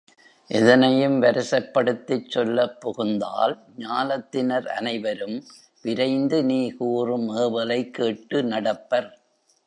எதனையும் வரிசைப்படுத்திச் சொல்லப் புகுந்தால் ஞாலத்தினர் அனைவரும் விரைந்து நீ கூறும் ஏவலைக் கேட்டு நடப்பர்.